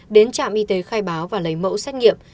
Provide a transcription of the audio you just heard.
đến trạm y tế khai báo và lấy mẫu xét nghiệm